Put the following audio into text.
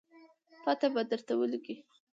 پته به درته ولګي